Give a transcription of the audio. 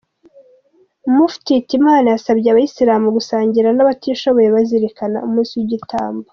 Mufti Hitimana yasabye abayisilamu gusangira n’abatishoboye bazirikana umunsi w’igitambo.